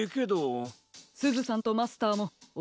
すずさんとマスターもおねがいします。